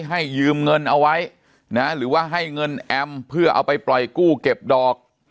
ให้ยืมเงินเอาไว้นะหรือว่าให้เงินแอมเพื่อเอาไปปล่อยกู้เก็บดอก